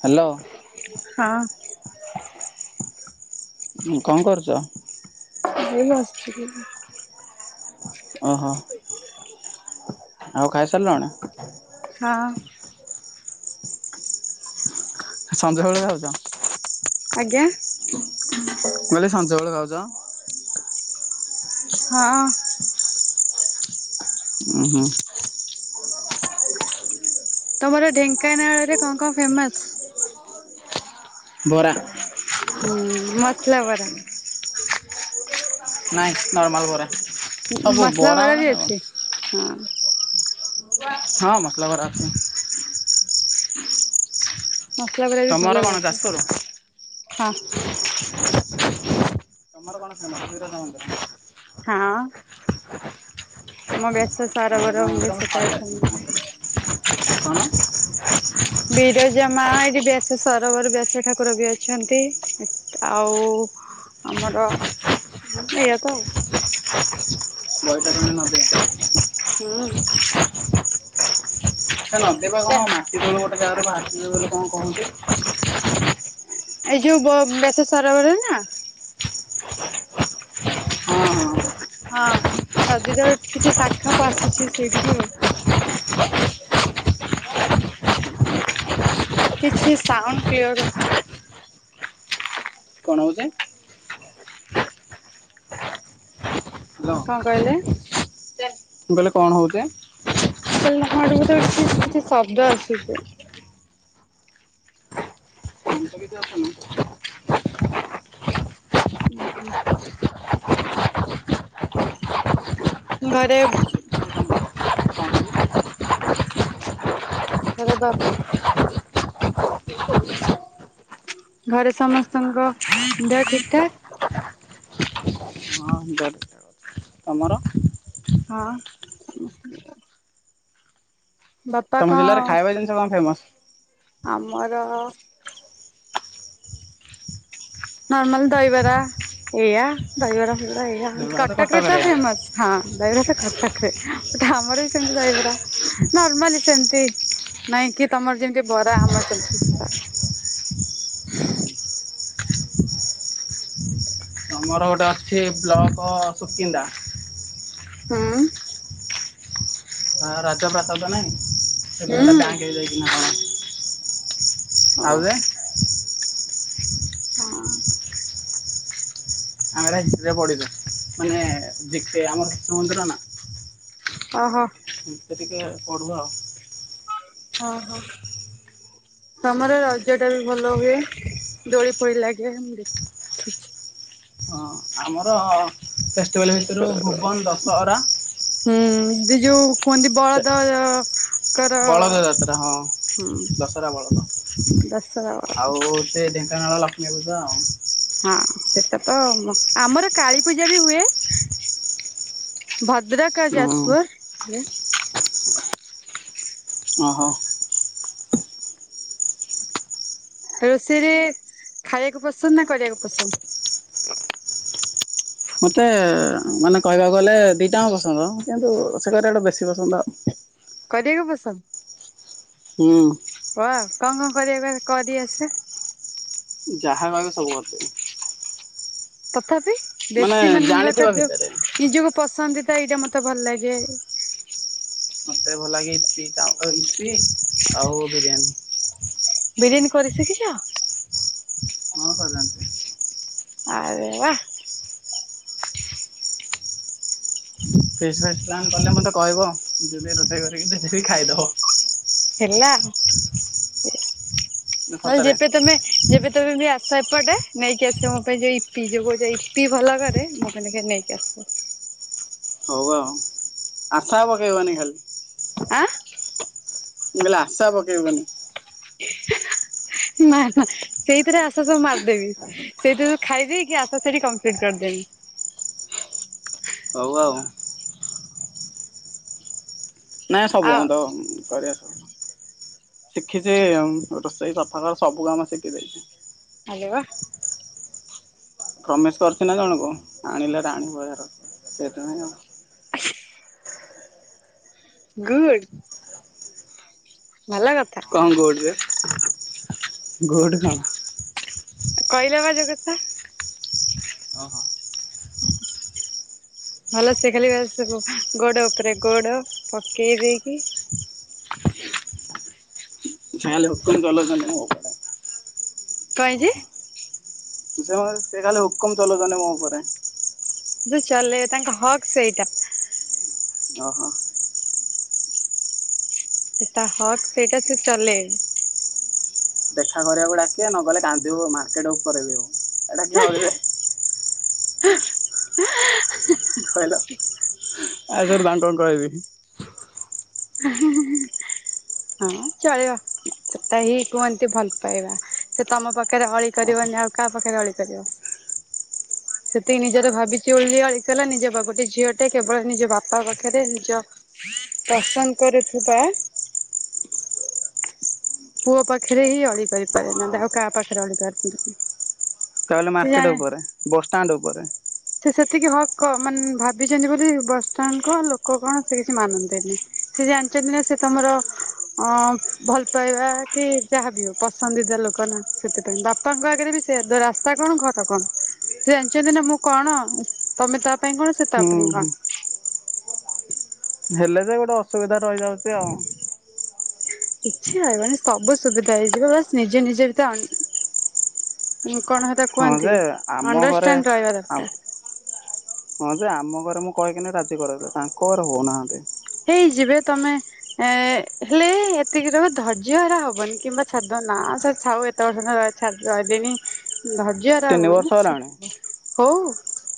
Hello. ହଁ। ଉଁ କଣ କରୁଚ? ଏଇ ବସିଥିଲି ଓହୋଃ। ଆଉ ଖାଇ ସାରିଲଣି? ହଁ। ସଞ୍ଜବେଳେ ଖାଉଚ? ଆଜ୍ଞା? ମୁ କହିଲି ସଞ୍ଜବେଳେ ଖାଉଚ? ହଁ। ଉଁ ହୁଁ। [unintelligible] ତମର ଢେଙ୍କାନାଳରେ କଣ କଣ ଫେମସ? ବରା। ହୁଁ ମସଲା ବରା। ନାଇଁ ନର୍ମାଲ ବରା। ସବୁ ମସଲା ବରା ମାନେ ବି ଅଛି ହଁ। ହଁ ମସଲା ବରା ଅଛି। ମସଲା ବରା ବି ଭଲ ତମର କଣ ଲାଗେ। ଯାଜପୁର? ହଁ। ତମର କଣ ଫେମସ [unintelligible] ହଁ ମୋ ବେଶ ବିରଜା ସରବର ମନ୍ଦିର ହୁଏ ମୁଁ ଥରେ ସେତେବେଳ ଯାଇଥିଲି ସମୟ। କଣ? ବିରଜା ମା ଏଠି ବ୍ୟସ ସରୋବର ବ୍ୟାସ ଠାକୁର ବି ଅଛନ୍ତି। ଆଉ ଆମର ଏଇଆ ତ ଆଉ। ବୈତରଣୀ ନଦୀରେ ହୁଁ। ସେ ନଦୀ ବା କଣ ମାଟି ତଳୁ ଗୋଟେ ଜାଗାରୁ ବାହାରିଚି ବୋଲି କଣ କହନ୍ତି। ଏଇ ଯୋଉ ବ ବ୍ୟାସ ସରୋବର ନା! ହଁ ହଁ ହଁ ନଦୀର କିଛି ଶାଖା ପା ଆସିଛି ସେଇଠିକି ଆଉ। କିଛି ସାଉଣ୍ଡ କିଲର୍ ଆ କଣ ହଉଛି? ହ୍ୟାଲୋ କଣ କହିଲେ? ମୁଁ କହିଲି କଣ ହଉଛି? ମୁଁ କହିଲି ଆପଣଙ୍କ ଆଡୁ ତ କିଛି କିଛି ଶବ୍ଦ ଆସୁଛି। ପଞ୍ଚବିଦ୍ୟା ଅଛନ୍ତି ନା! ଉଁ ହୁଁ। ଘରେ ଆରେ ବାପ ଘରେ ସମସ୍ତଙ୍କ ଦେହ ଠିକ୍ ଠାକ୍? ହଁ ଦେହ ଠିକ୍ ଠାକ୍। ତମର? ହଁ। ବାପା ତମ କଣ ଜିଲ୍ଲାରେ ଖାଇବା ଜିନିଷ କଣ ଫେମସ? ଆମର ନର୍ମାଲ ଦହିବରା ଏଇଆ ଦହିବରା ଫଇବରା ଏଇଆ କଟକରେ ତ ଫେମସ୍। ହଁ ଦହିବରା ତ କଟକରେ ବଟ ଆମର ବି ସେମିତି ଦହବରା। ନର୍ମାଲି ସେମତି ନାଇଁ କି ତମର ଯେମିତି ବରା ଆମର ସେମତି [unintelligible] ତମର ଗୋଟେ ଅଛି ବ୍ଲକ ସୁକିନ୍ଦା ହୁଁ। ହଁ ରାଜପ୍ରାସାଦ ନାଇଁ ଏବେ ସେଟା ହୁଁ ବ୍ୟାଙ୍କ ହେଇଯାଇଛି ନା କଣ? ଓ ଆଉ ଯେ ହଁ। ଆମେ ହେରା ହି଼ଷ୍ଟ୍ରି ରେ ପଢ଼ିଚୁ ମାନେ [unintelligible] ଆମର ଶିଶୁ ମନ୍ଦିର ନା! ଅ ହ। ଏମତି ଟିକେ ପଢିବ ଆଉ। ଓ ହୋ ତମର ରଜଟା ବି ଭଲ ହୁଏ। ଦୋଳି ଫୋଳୀ ଲାଗେ ଦେଖିଛି। ହଁ ଆମର ଫେଷ୍ଟିଭାଲ ଭିତରୁ ଭୁବନ ଦଶହରା। ହୁଁ ଏବେ ଯୋଉ କୁହନ୍ତି ସେ ବଳଦ ଙ୍କର ବଳଦ ଯାତ୍ରା ହଁ ହୁଁ ଦଶରା ବଳଦ। ଦଶରା ଆଉ ସେ ଢେଙ୍କାନାଳ ଲକ୍ଷ୍ମୀପୂଜା ଆଉ ହଁ ସେଟା ତ ଆମର କାଳୀ ପୂଜା ବି ହୁଏ। ଭଦ୍ରକ ହୁଁ ଯାଜପୁରରେ। ଅହ। ରୋଷେଇରେ ଖାଇବାକୁ ପସନ୍ଦ ନା କରିବାକୁ ପସନ୍ଦ? ମୋତେ ମାନେ କହିବାକୁ ଗଲେ ଦିଇଟାଙ୍କ ପସନ୍ଦ କିନ୍ତୁ ସେ କରିବାଟା ବେଶୀ ପସନ୍ଦ ଆ କରିବାକୁ ପସନ୍ଦ। ହୁଁ। ଓହ କଣ କଣ କରିବା କରି ଆସେ? ଯାହା କହିବେ ସବୁ କରିଦେବି। ତଥାପି ବେଶୀ ମାନେ ଜାଣିଥିବା ଦରକାର ଯୋଉ ଭିତରେ ନିଜକୁ ପସନ୍ଦ ତ ଏଇଟା ମତେ ଭଲ ଲାଗେ। ମୋତେ ଭଲ ଲାଗେ [unintelligible] ଆଉ ବିରିୟାନୀ। ବିରିୟାନୀ କରି ଶିଖିଛ? ହଁ କରିଥାନ୍ତି। ଆରେ ବା ପ୍ଲାନ୍ କଲେ ମତେ କହିବ ଯିବି ରୋଷେଇ କରିକି ଦେବି ଖାଇଦବ। ହେଲା ନହେଲେ ସତରେ ଯେବେ ତମେ ଯେବେ [inaudible] ବି ଆସ ଏପଟେ ନେଇକି ଆସିବା ମୋ ପାଇଁ ଯୋଉ ଇପି ଯୋଉ କହୁଛ ଇପି ଭଲ କରେ ମୋ ପାଇଁ ନେଇକି ଆସିବ। ହଉ ଆଉ ଆଶା ଆଉ ପକେଇବନି ଖାଲି। ଆଁ। ମୁଁ କହିଲି ଆଶା ପକେଇବନି। ନା ନା ସେଇଥିରେ ଆଶା ସବୁ ମାରିଦେବି। ସେଇଥିରେ ଖାଇଦେଇକି ଆଶା ସେଇଠି କମ୍ପ୍ଲିଟ କରିଦେବି। ହଉ ଆଉ। ନାଇଁ ସବୁ ଆଉ ବନ୍ଦ ଘରେ। ଶିଖିଛି ରୋଷେଇ ସଫାକ ସବୁ କାମ ଶିଖିଯାଇଛି। ଆରେ ବା ପ୍ରମିଶ କରିଛି ନା ଜଣକୁ ଆଣିଲେ ରାଣୀ ଭଳିଆ ରଖିବି ସେଥିପାଇଁ ଆ ହ ଗୁଡ଼। ଭଲ କଥା। କଣ କହୁଥିଲେ ଗୁଡ଼୍ ନୁହେଁ। କହିଲେ ବା ଯୋଉ କଥା। ଓହୋ। ହ ଭଲ ସିଏ ଖାଲି ସବୁ ଗୋଡ ଉପରେ ଗୋଡ ପକେଇ ଦେଇକି [inaudible] କଣ ହେଇଛି? ସେମାନେ ସେ ଖାଲି ହୁକୁମ ଚଲୁଉଛନ୍ତି ମୋ ଉପରେ। ହୁକୁମ ଚଳେଇବେ ତାଙ୍କ ହକ୍ ସେଇଟା। ଓହୋ ସେଟା ହକ୍ ସେଇଟା ସେ ଚଲେଣି ଦେଖା କରିବାକୁ ଡାକିଵା ନ ଗଲେ କାନ୍ଦିବ ମାର୍କେଟ ଉପରେ ବି। [unintelligible] ହରିବେ ହ [unintelligible] ଖହିଲ ଆ ସରେ ତାଙ୍କୁ କଣ କହବି? ହଁ ଚଳିବ ସେଟା ହିଁ କୁହନ୍ତି ଭଲ ପାଇବା। ସେ ତମ ପାଖରେ ଅଳି ଓହୋ କରିବନି ଆଉ କାହା ପାଖରେ ଅଳି କରିବ। ସେତିକି ନିଜର ଭାବିଛି ବୋଲି ଏକଲା ନିଜ ଗୋଟେ ଝିଅଟେ କେବଳ ନିଜ ବାପା ପାଖରେ ନିଜ ପସନ୍ଦ କରୁଥିବା ପୁଅ ପାଖରେ ହିଁ ଅଳି କରିପାରେ ନାଲେ ଆଉ କାହା ପାଖରେ ଅଳି ପାରେନା। ତାହାଲେ ମାର୍କେଟ ଉପରେ ବସଷ୍ଟାଣ୍ଡ ଉପରେ। ସେ ସେତିକି ହକ୍ ମାନେ ଭାବିଛନ୍ତି ବୋଲି ବସଷ୍ଟାଣ୍ଡ କହ ଲୋକ କଣ ସେ କିଛି ମାନନ୍ତିନି। ସେ ଜାଣିଛନ୍ତି ନା ସେ ତମର ଅ ଭଲ ପାଇବା କି ଯାହା ବିି ହଉ ପସନ୍ଦିଦ ଲୋକ ନା ସେଥିପାଇଁ ବାପାଙ୍କ ଆଗରେ ବି ସେ ଦ ତା କଣ କ ତ କଣ ସେ ଜାଣିଛନ୍ତି ନା ମୁଁ କଣ ତମେ ତା ପାଇଁ କଣ ସେ ତା ହୁଁ ପାଇଁ ହୁଁ କଣ। ହେଲେ ଯେ ଗୋଟେ ଅସୁବିଧା ରହିଯାଉଛି ଆଉ। କିଛି ଆ ମାନ ସବୁ ସୁବିଧା ହେଇଯିବ ଵାସ୍ ନିଜେ ନିଜେ ଭିତରେ କଣ [unintelligible] ହଁ ଯେ ଆମ ଘରେ ଅଣ୍ଡରଷ୍ଟାଣ୍ଡ ରହିବା ଦରକାର। ହଁ ଯେ ଆମ ଘରେ ମୁଁ କହିକିନି ରାଜି କରଉଚି ତାଙ୍କ ଘରେ ହଉନାହାନ୍ତି। ହେଇଯିବେ ତମେ ଏ ହେଲେ ଏତିକି ର ଧୈର୍ଯ୍ୟ ହରା ହବନି କିମ୍ବା ଛାଡି [unintelligible] ସ ଛା ରହିଲେଣି। ଧର୍ଯ୍ୟହରା ତିନି ବର୍ଷ ହେଲାଣି ହବନି ହଉ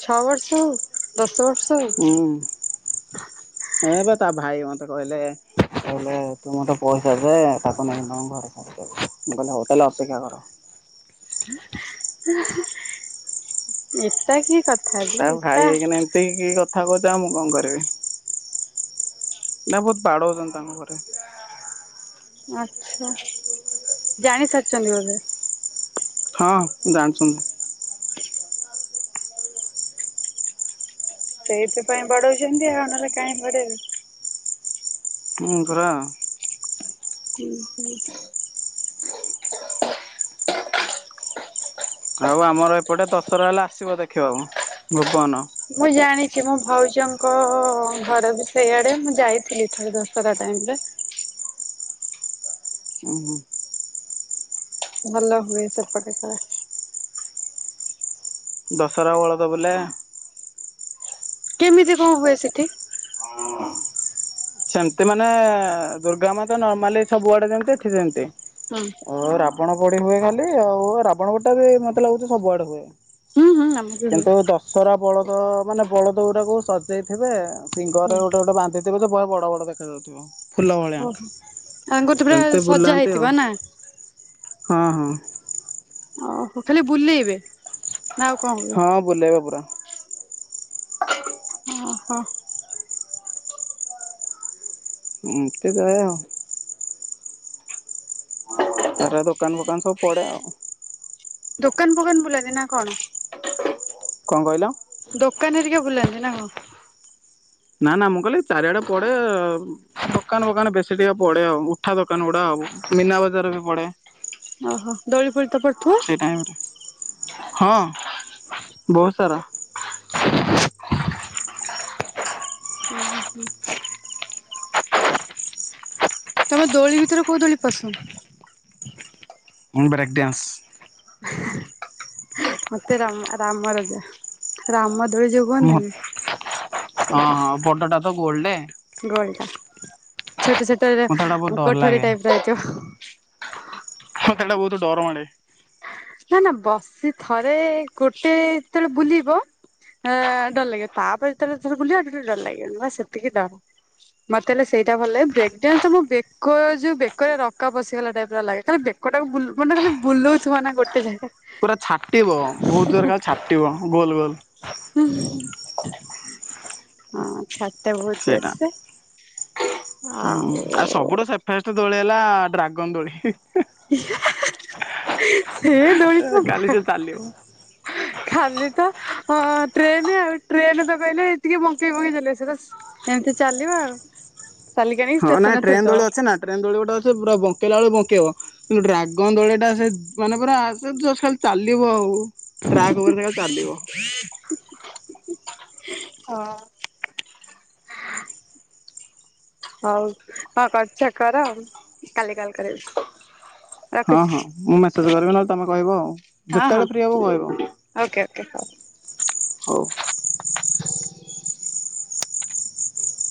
ଛଅ ବର୍ଷ ହଉ। ଦଶ ବର୍ଷ ହଉ। ନାଇଁ ତା ଭାଇ ମ କହିଲେ କହିଲେ ତୁ ମତେ ପଇସା ଦେ ତାକୁ ନେଇ ତମ ଘରେ ଭଲ ହବ ଅପେକ୍ଷା କର। ଏଟ କି କଥା ଯେ ଏଟା ଏତିକ କଥା କହୁଛ ଆଉ ମୁଁ କଣ କରିବି। ନା ବହୁତ ବାଡଉଛନ୍ତି ତାଙ୍କ ଘରେ। ଆଛା ଜାଣି ସାରିଛନ୍ତି ବୋଧେ। ହଁ ଜାଣିଛନ୍ତି। ସେଇଥିପାଇଁ ଵାଡଉଛନ୍ତି ଆଉ ନହେଲେ କାଇହିଁ ବଡେଇବେ। ମୁଁ ପରା। ହ [unintelligible] ଆଉ ଆମର ଏପଟେ ଦଶହରା ହେଲା ଆସିବ ଦେଖିବାକୁ, ଭୁବନ। ମୁଁ ଜାଣିଛି ମୋ ଭଉଜଙ୍କ ଘରେ ବି ସେଇଆଡେ ମୁଁ ଯାଇଥିଲି ଥରେ ଦଶରା ଟାଇମ ରେ। [unintelligible] ଭଲ ହୁଏ ସେପଟେ କାଳେ। ଦଶହରା ବଳଦ ବୁଲେ। କେମିତି କଣ ହୁଏ ସେଠି? ସେମତି ମାନେ ଦୁର୍ଗା ମା ତ ନର୍ମାଲି ସବୁଆଡେ ଯେମତି ଏଠି ସେମତି। ହଁ ଓ ରାବଣ ପୋଡ଼ି ହୁଏ ଖାଲି ଆଉ ରାବଣ ପୋଡ଼ିଟାବି ମତେ ଲାଗୁଚି ସବୁଆଡ଼େ ହୁଏ। ହୁଁ ହୁଁ ଆମର ବି ହୁଏ କିନ୍ତୁ ଦଶହରା ବଳଦ ମାନେ ବଳଦ ଉରାକୁ ସ ଦେଇଥିବେ ଶିଙ୍ଗରେ ହୁଁ। ଗୋଟେ ଗୋଟେ ବାନ୍ଧିଥିବେ ବହେ ବଡ଼ ବଡ଼ ଦେଖାଯାଉଥିବ। ଫୁଲ ଭଳିଆ ଓହୋ ତାଙ୍କର ତ ପୁରା ସେମିତି ସଜା ବୁଲାନ୍ତି ହେଇଥିବ ଆଉ ନା? ହଁ ହଁ। ଓହୋ ଖାଲି ବୁଲେଇବେ ନାଆଉ କଣ ହୁଏ? ବୁଲିଇବେ ପୁରା। ଓହୋ। ଏମିତି ହୁଏ ଆଉ। ତାପରେ ଦୋକାନ ଫୋକାନ ସବୁ ପଡ଼େ ଆଉ। ଦୋକାନ ଫୋକାନ ବୁଲାନ୍ତି ନାକଣ? କଁ କଇଁଲ? ଦୋକାନ ହେରିକା ବୁଲାନ୍ତି ନାକଣ? ନା ନା ମୁଁ କଇଲି ଚାରିଆଡ଼େ ପଡ଼େ ଦୋକାନ ଫୋକାନ ବେଶୀ ଟିକେ ପଡ଼େ ଆଉ। ଉଠା ଦୋକାନ ଗୁଡ଼ା ଆଉ ମୀନା ବଜାରବି ପଡ଼େ। ଓହୋ ଦୋଳି ଫୋଳିତ ପଡୁଥିବ। ସେଇ ଟାଇମରେ ହଁ ବହୁତ୍ ସାରା। ଉଁ ହୁଁ ହୁଁ। ତମେ ଦୋଳି ଭିତରେ କୋଉ ଦୋଳି ପସନ୍ଦ? ମୁଁ ବ୍ରେକଡ୍ୟାନ୍ସ। ମତେ ରମ ରାମ ରଜା ରାମ ଦୋଳି ଯୋଉ ମୁ ହଁ କୁହନ୍ତିନି ହଁ ବଡ଼ଟାତ ଗୋଲଟେ? ଗୋଲଟା ଛୋଟ ଛୋଟରା ମୁଁ ତ ହେଟା ବହୁତ ଡର କୋଠରୀ ଲାଗେ ଟାଇପର ହେଇଥିବ। ମତେ ହେଟା ବହୁତ୍ ଡର ମାଡ଼େ। ନା ନା ବସି ଥରେ ଗୋଟେ ଯେତେଳେ ବୁଲିବ ଏଁ ଡର ଲାଗିବ ତାପରେ ଯେତେବେଳେ ଥର ବୁଲିବାକୁ ଡର ଲାଗିବନି ବାସ୍ ସେତିକି ଡର। ମତେ ହେଲେ ସେଇଟା ଭଲ ଲାଗେ ବ୍ରେକ୍ ଡାନ୍ସଟା ମୁଁ ବେକ ଯୋଉ ବେକରେ ରକା ପଶିଗଲା ଟାଇପର ଲାଗେ ଖାଲି ବେ କଟାକୁ ବୁଲୁ ମାନେ ଖାଲି ବୁଲଉଥୁବନା ଗୋଟେ ଜାଗା। ପୁରା ଛାଟିବ ବହୁତ୍ ଜୋରେ କାଳେ ଛାଟିବ ଗୋଲ୍ ଗୋଲ୍। ହଁ ଛା ଏଟା ଭୋଉତ୍ ସେଇଟା। ଜୋର୍ଶ ହୁଁ ଆଉ ସବୁଠୁ ଫାଷ୍ଟ ଦୋଳି ହେଲା ଡ୍ରାଗନ୍ ଦୋଳି ହେ ହେ ହେ। ସେ ଦୋଳିତ କାଲି ଭା ସେ ଚାଲିବ। ଖାଲିତ ଅଁ ଟ୍ରେନ୍ ଆଉ ଟ୍ରେନତ କହିଲେ ଟିକେ ବଙ୍କେଇ ବଙ୍କେଇ ବଙ୍କେଇ ଚାଲିବ ସେତ ଏମିତି ଚାଲିବ ଆଉ ଚାଲିକି ଆଣି ଷ୍ଟେସନ୍ ରେ ଥୋଇଦବ। ଟ୍ରେନ୍ ଦୋଳି ଗୋଟେ ଅଛି ପୁରା ବଙ୍କେଇଲା ଆଳୁ ବଙ୍କେଇବ କିନ୍ତୁ ଡ୍ରାଗନ୍ ଦୋଳିଟା ସେ ମାନେ ପୁରା ସେ ଜୋସ୍ ଖାଲି ଚାଲିବ ଆଉ। ଟ୍ରାକ୍ ଉପରେ ସେଖାଲି ଚାଲିିବ। ହଁ। ହଉ କଣ କରୁଚ କର କାଲି କଲ୍ କରିବି? ହଁ ରଖୁଛି ହଁ ମୁଁ ମେସେଜ୍ କରିବି ନହଲେ ତମେ କଇବ ଆଉ ହଁ ହଁ ଯେତେବେଳେ ଫ୍ରି ହବ କଇବ? ଓକେ ଓକେ ହଉ। ହଉ। [inaudible]